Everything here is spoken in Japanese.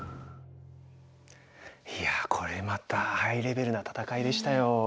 いやこれまたハイレベルな戦いでしたよ。